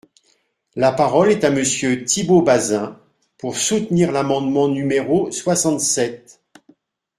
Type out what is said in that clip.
La parole est à Monsieur Thibault Bazin, pour soutenir l’amendement numéro soixante-sept.